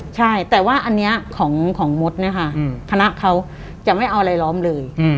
ใช่แต่ว่าอันนี้ของมดเนี่ยค่ะคณะเขาจะไม่เอาอะไรล้อมเลย